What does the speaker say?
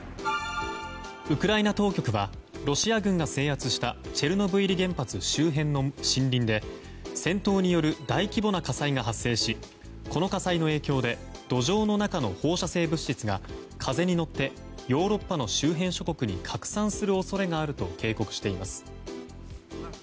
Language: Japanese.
ウクライナ当局はロシア軍が制圧したチェルノブイリ原発周辺の森林で戦闘による大規模な火災が発生しこの火災の影響で土壌の中の放射性物質が風に乗ってヨーロッパの周辺諸国に拡散する恐れがあると警告しています。